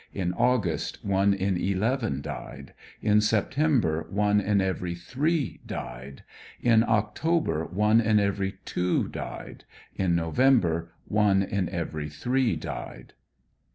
In August one in eleven died. In September one in every three died. In October one in every two died. In November one in every three died.